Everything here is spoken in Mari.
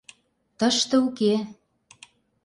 Тыште уке...